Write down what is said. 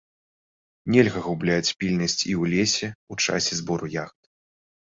Нельга губляць пільнасць і ў лесе, у часе збору ягад.